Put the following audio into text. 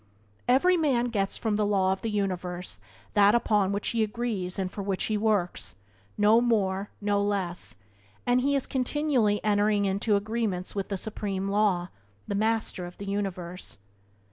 Every man gets from the law of the universe that upon which he agrees and for which he works — no more, no less; and he is continually entering into agreements with the Supreme Law — the Master of the universe.